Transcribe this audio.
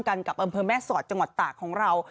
กลุ่มน้ำเบิร์ดเข้ามาร้านแล้ว